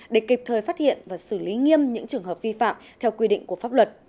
để kịp thời phát hiện và xử lý nghiêm những trường hợp vi phạm theo quy định của pháp luật